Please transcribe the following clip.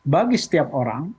bagi setiap orang